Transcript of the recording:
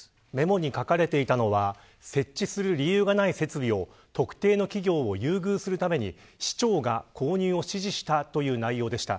メモに書かれていたのは設置する理由がない設備を特定の企業を優遇するために市長が購入を指示したという内容でした。